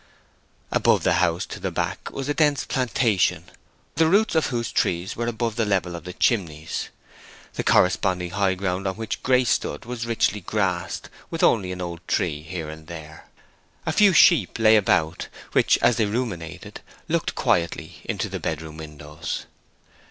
Above the house to the back was a dense plantation, the roots of whose trees were above the level of the chimneys. The corresponding high ground on which Grace stood was richly grassed, with only an old tree here and there. A few sheep lay about, which, as they ruminated, looked quietly into the bedroom windows.